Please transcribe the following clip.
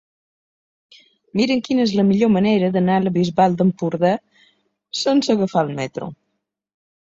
Mira'm quina és la millor manera d'anar a la Bisbal d'Empordà sense agafar el metro.